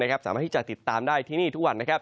สามารถที่จะติดตามได้ที่นี่ทุกวัน